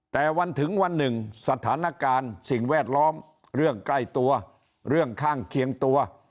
แต่วันถึงวันหนึ่งสถานการณ์สิ่งแวดล้อมเรื่องใกล้ตัวเรื่องข้างเคียงตัว